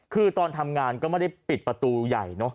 คือตอนทำงานก็ไม่ได้ปิดประตูใหญ่เนอะ